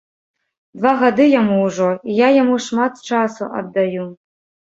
Два гады яму ўжо, і я яму шмат часу аддаю.